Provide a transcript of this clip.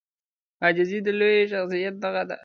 عاجزي د لوی شخصیت نښه ده.